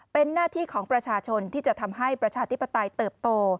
เป็นหน้าที่ของประชาชนที่จะทำให้ประชาธิปไตยเติบโต